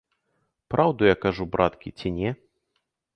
Праўду я кажу, браткі, ці не?